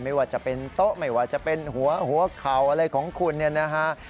ไม่ว่าจะเป็นโต๊ะไม่ว่าจะเป็นหัวเข่าอะไรของคุณเนี่ยนะฮะ